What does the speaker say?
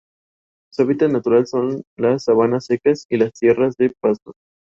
Tate estudió el desprendimiento de una gota de un tubo capilar.